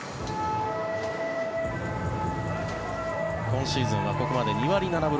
今シーズンはここまで２割７分６厘。